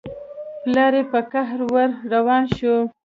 پلار يې په قهر ور روان شو.